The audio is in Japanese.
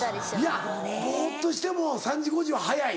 いやぼっとしても３時５時は早い。